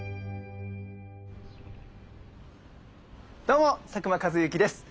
どうも佐久間一行です。